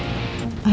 kamu sunambah ya